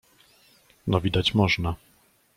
No widać można.